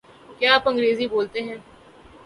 کیا آپ انگریزی بولتے ہیں؟